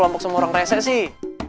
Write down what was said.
kelompok semua orang rasa sih